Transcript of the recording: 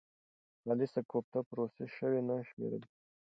خالصه کوفته پروسس شوې نه شمېرل کېږي.